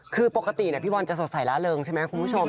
คือปกติพี่บอลจะสดใสล่าเริงใช่ไหมคุณผู้ชม